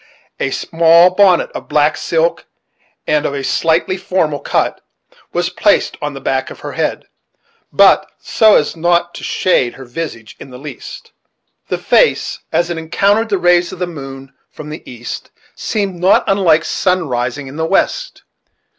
A small bonnet of black silk, and of a slightly formal cut, was placed on the back of her head, but so as not to shade her visage in the least. The face, as it encountered the rays of the moon from the east, seemed not unlike sun rising in the west.